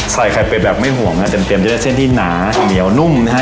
ใส่ไข่เป็ดแบบไม่ห่วงนะเต็มไปด้วยเส้นที่หนาเหนียวนุ่มนะฮะ